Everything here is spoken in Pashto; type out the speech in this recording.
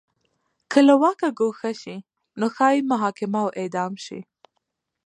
که له واکه ګوښه شي نو ښايي محاکمه او اعدام شي.